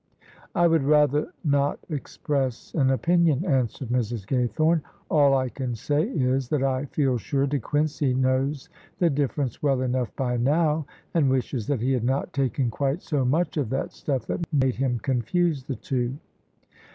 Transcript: "" I would rather not express an opinion," answered Mrs. Gaythome :" all I can say is, that I feel sure De Quincey knows the difference well enough by now, and wishes that he had not taken quite so much of that stuff that made him confuse the two."